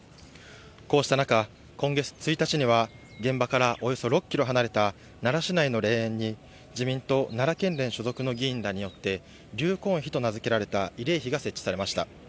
こうした中、今月１日には、現場からおよそ６キロ離れた奈良市内の霊園に、自民党奈良県連所属の議員らによって、留魂碑と名付けられた慰霊碑が設置されました。